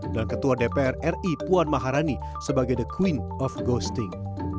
dan ketua dpr ri puan maharani sebagai the queen of ghosting